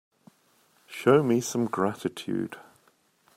Show me some gratitude.